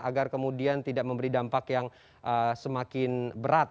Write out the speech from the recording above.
agar kemudian tidak memberi dampak yang semakin berat